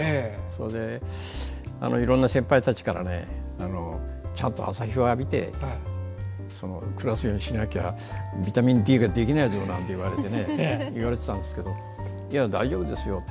それでいろんな先輩たちからちゃんと朝日を浴びて暮らすようにしなきゃビタミンＤができないだろなんて言われてたんだけどいや大丈夫ですよ。